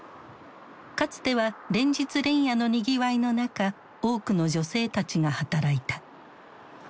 かつては連日連夜のにぎわいの中多くの女性たちが働いた。